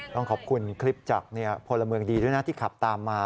ต้องขอบคุณคลิปจากพลเมืองดีด้วยนะที่ขับตามมา